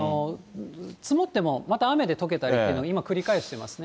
積もってもまた雨でとけたりを今、繰り返していますね。